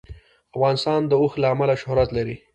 افغانستان د اوښ له امله شهرت لري.